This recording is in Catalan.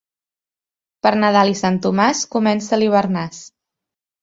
Per Nadal i Sant Tomàs comença l'hivernàs.